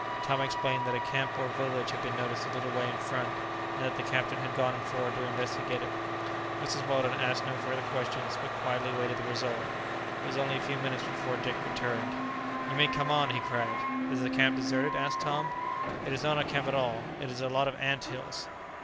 Tom explained that a camp or village had been noticed a little way in front, and that the captain had gone forward to investigate it. Mrs. Weldon asked no further questions, but quietly waited the result. It was only a few minutes before Dick returned. "You may come on," he cried. "Is the camp deserted?" asked Tom. "It is not a camp at all; it is a lot of ant hills!"